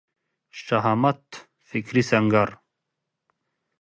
شهامت فکري سنګر